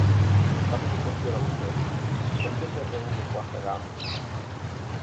Tamén o cuestiona vostede, ¿por que se reúne coa Fegamp?